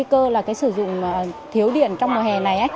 tôi là cái sử dụng thiếu điện trong mùa hè này